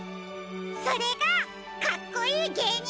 それがかっこいいげいにんですもんね！